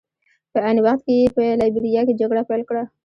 په عین وخت کې یې په لایبیریا کې جګړه پیل کړه.